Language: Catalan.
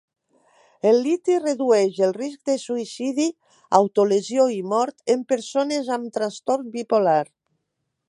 El liti redueix el risc de suïcidi, autolesió i mort en persones amb trastorn bipolar.